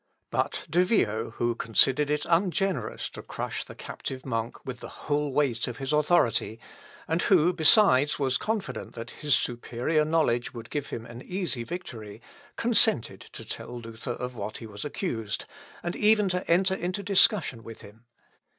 But De Vio, who considered it ungenerous to crush the cative monk with the whole weight of his authority, and who, besides, was confident that his superior knowledge would give him an easy victory, consented to tell Luther of what he was accused, and even to enter into discussion with him.